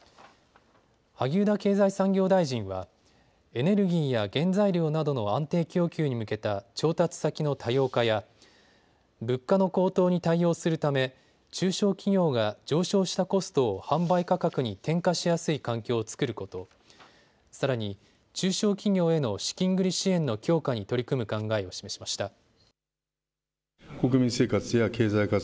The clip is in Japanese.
萩生田経済産業大臣はエネルギーや原材料などの安定供給に向けた調達先の多様化や物価の高騰に対応するため中小企業が上昇したコストを販売価格に転嫁しやすい環境を作ること、さらに中小企業への資金繰り支援の強化に取り組む考えを示しました。